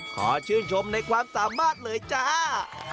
ขอชื่นชมในความสามารถเลยจ้า